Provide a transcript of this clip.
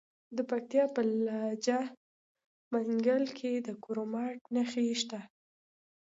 د پکتیا په لجه منګل کې د کرومایټ نښې شته.